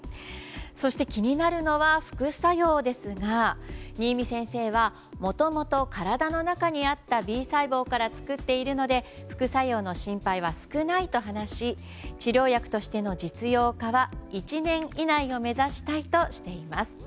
そして気になるのは副作用ですが仁井見先生はもともと体の中にあったＢ細胞から作っているので副作用の心配は少ないと話し治療薬としての実用化は１年以内を目指したいとしています。